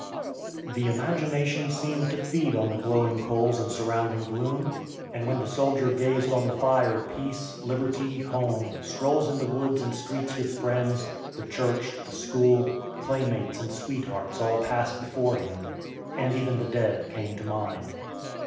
The imagination seemed to feed on the glowing coals and surrounding gloom, and when the soldier gazed on the fire peace, liberty, home, strolls in the woods and streets with friends, the church, the school, playmates, and sweethearts all passed before him, and even the dead came to mind.